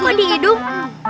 kok di hidung